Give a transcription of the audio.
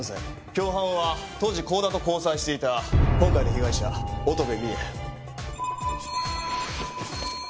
共犯は当時甲田と交際していた今回の被害者乙部美栄。